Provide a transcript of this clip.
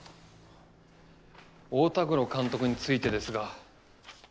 太田黒監督についてですが。